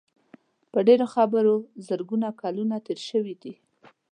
په دې ډېرو خبرو زرګونه کلونه تېر شوي دي.